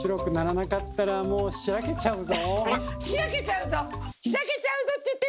シラけちゃうぞ？